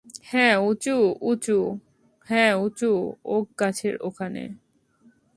হ্যাঁ, উঁচু ওক গাছের ওখনে।